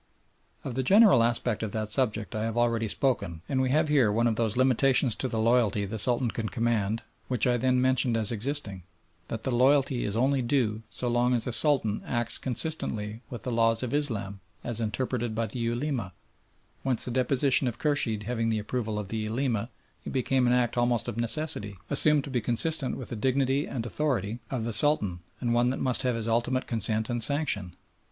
Of the general aspect of that subject I have already spoken, and we have here one of those limitations to the loyalty the Sultan can command which I then mentioned as existing that that loyalty is only due so long as the Sultan acts consistently with the law of Islam as interpreted by the Ulema, whence the deposition of Khurshid having the approval of the Ulema it became an act almost of necessity assumed to be consistent with the dignity and authority of the Sultan, and one that must have his ultimate consent and sanction.